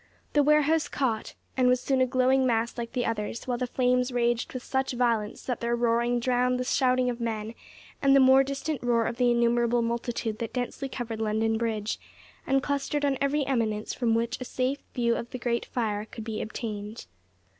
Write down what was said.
The warehouse caught, and was soon a glowing mass like the others, while the flames raged with such violence that their roaring drowned the shouting of men, and the more distant roar of the innumerable multitude that densely covered London Bridge, and clustered on every eminence from which a safe view of the great fire could be obtained.